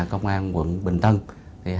công an tp hcm và công an tp hcm